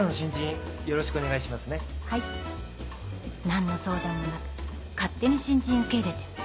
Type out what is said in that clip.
何の相談もなく勝手に新人受け入れて